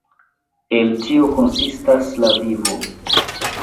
El tio konsistas la vivo.